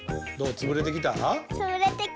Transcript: つぶれてきた。